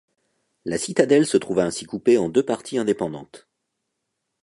La citadelle se trouva ainsi coupée en deux parties indépendantes.